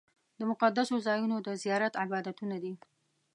د مقدسو ځایونو د زیارت عبادتونه دي.